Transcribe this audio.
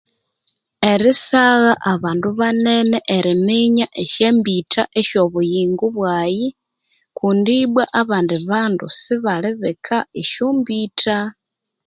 Erisagha abandu banene eriminya esyambitha esyo obuyingo bwayi kundi ibwa abandi bandu sibali bika esyo mbitha.